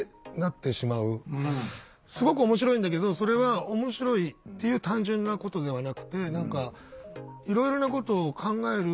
すごく面白いんだけどそれは面白いっていう単純なことではなくて何かいろいろなことを考える面白さ。